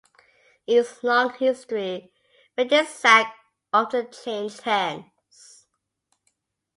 In its long history Vegesack often changed hands.